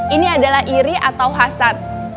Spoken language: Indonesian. ini adalah iri atau hasad